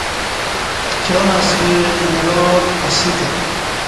پتیان اسہ ایمرا اسہ کہ